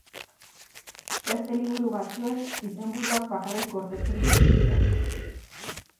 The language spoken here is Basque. Beste liburu batzuek izenburuak bakarrik gordetzen dituzte.